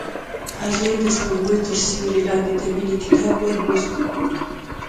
هغې د سپوږمۍ تر سیوري لاندې د مینې کتاب ولوست.